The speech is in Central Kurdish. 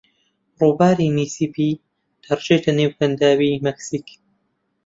ڕووباری میسیسیپی دەڕژێتە نێو کەنداوی مەکسیک.